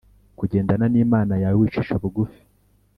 kugendana n Imana yawe wicisha bugufi